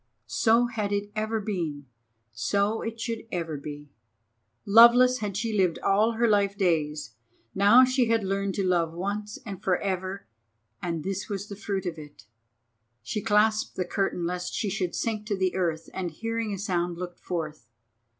So had it ever been, so should it ever be. Loveless she had lived all her life days, now she had learned to love once and for ever—and this was the fruit of it! She clasped the curtain lest she should sink to the earth, and hearing a sound looked forth.